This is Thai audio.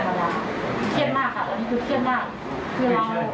เราก็ต้องเครียดในปรากฎาเครียดมากค่ะเราที่คือเครียดมาก